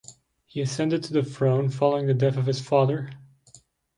He ascended to the throne following the death of his father.